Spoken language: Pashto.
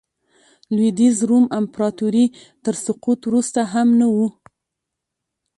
د لوېدیځ روم امپراتورۍ تر سقوط وروسته هم نه و